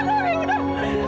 maka memberitahu suatu latihan